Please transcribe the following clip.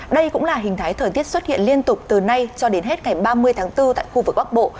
đây cũng là hình thái thời tiết xuất hiện liên tục từ nay cho đến hết ngày ba mươi tháng bốn tại khu vực bắc bộ